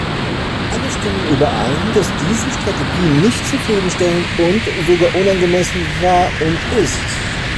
Alle stimmen überein, dass diese Strategie nicht zufriedenstellend und sogar unangemessen war und ist.